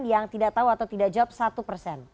yang tidak tahu atau tidak jawab satu persen